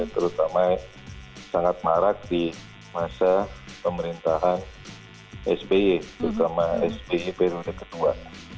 terutama sangat marak di masa pemerintahan sby terutama sby periode kedua